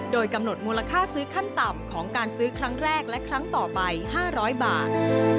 โดยกำหนดมูลค่าซื้อขั้นต่ำของการซื้อครั้งแรกและครั้งต่อไป๕๐๐บาท